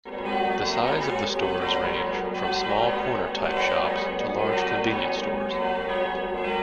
The size of the stores range from smaller corner-type shops to larger convenience stores.